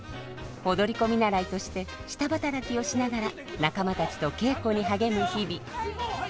踊り子見習いとして下働きをしながら仲間たちと稽古に励む日々。